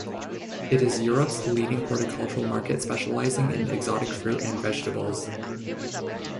It is Europe's leading horticultural market specialising in exotic fruit and vegetables.